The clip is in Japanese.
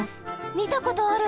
みたことある。